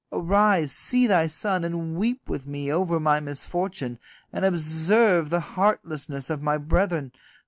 Arise, see thy son, and weep with me over my misfortune, and observe the heartlessness of my brethren.